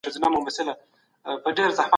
د دې مسئلې تفصيل دادی